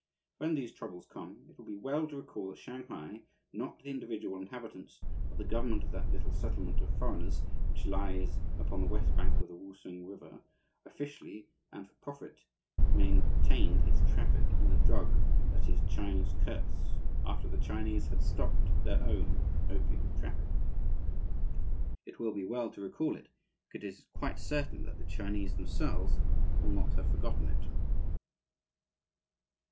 When these troubles come, it will be well to recall that Shanghai, not the individual inhabitants, but the government of that little "settlement" of foreigners which lies upon the west bank of the Woosung River, officially and for profit maintained its traffic in the drug that is China's curse after the Chinese had stopped their own opium traffic. It will be well to recall it, because it is quite certain that the Chinese themselves will not have forgotten it.